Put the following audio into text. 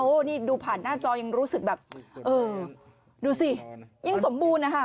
นี่ดูผ่านหน้าจอยังรู้สึกแบบเออดูสิยังสมบูรณ์นะคะ